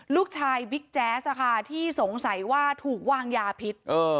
ลูกชายบิ๊กแจ๊สที่สงสัยว่าถูกวางยาพิษ